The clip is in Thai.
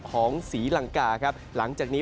ศรีลังกาครับหลังจากนี้